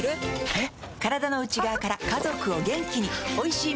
えっ？